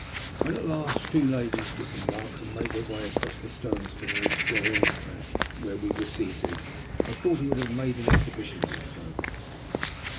When at last two ladies disembarked and made their way across the stones towards Florian's café, where we were seated, I thought he would have made an exhibition of himself.